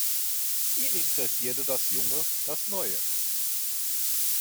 Ihn interessierte das Junge, das Neue.